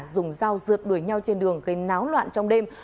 dùng dao rượt đuổi nhau trên đường gây náo loạn trong đêm